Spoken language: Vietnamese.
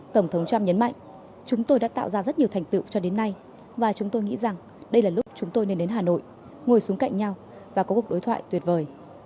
tổng thống trump nhấn mạnh chúng tôi đã tạo ra rất nhiều thành tựu cho đến nay và chúng tôi nghĩ rằng đây là lúc chúng tôi nên đến hà nội ngồi xuống cạnh nhau và có cuộc đối thoại tuyệt vời